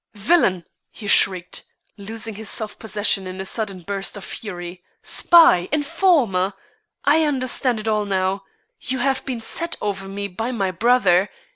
"Villain!" he shrieked, losing his self possession in a sudden burst of fury; "spy! informer! I understand it all now. You have been set over me by my brother.